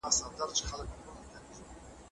د سرچینو ښه مدیریت د اقتصاد بنسټ پیاوړی کوي.